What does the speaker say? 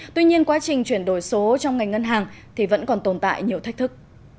tuy nhiên quá trình chuyển đổi số trong ngành ngân hàng thì vẫn còn tồn tại nhiều thách thức